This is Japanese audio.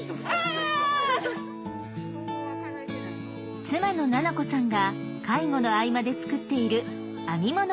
妻の奈々子さんが介護の合間で作っている編み物を販売。